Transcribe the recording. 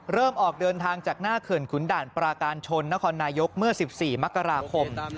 ออกเดินทางจากหน้าเขื่อนขุนด่านปราการชนนครนายกเมื่อ๑๔มกราคม